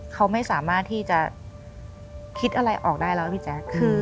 เขาไม่สามารถที่จะคิดอะไรออกได้แล้ว